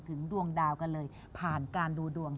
ดวงดาวกันเลยผ่านการดูดวง